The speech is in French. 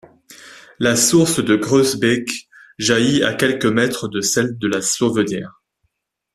La source de Groesbeek jaillit à quelques mètres de celle de la Sauvenière.